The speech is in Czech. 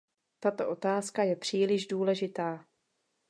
Tato otázka je příliš důležitá.